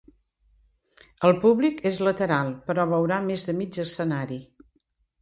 El públic és lateral, però veurà més de mig escenari.